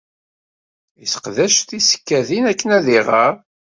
Yesseqdac tisekkadin akken ad iɣer.